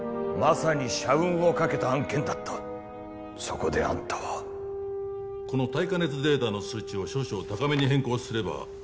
まさに社運を懸けた案件だったそこであんたはこの耐火熱データの数値を少々高めに変更すれば